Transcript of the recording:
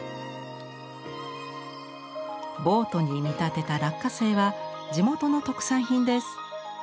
ボートに見立てた落花生は地元の特産品です。